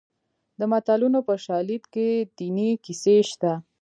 د متلونو په شالید کې دیني کیسې شته